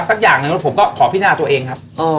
สักอย่างนึงหรือก็ขอพิจาระตัวเองครับ